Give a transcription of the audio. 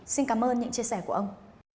xin cảm ơn những chia sẻ của ông